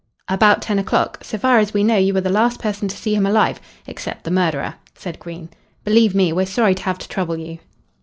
"About ten o'clock. So far as we know you were the last person to see him alive except the murderer," said Green. "Believe me, we're sorry to have to trouble you."